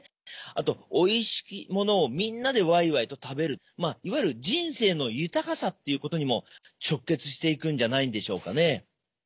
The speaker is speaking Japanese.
あとおいしい物をみんなでワイワイと食べるいわゆる人生の豊さっていうことにも直結していくんじゃないんでしょうかね。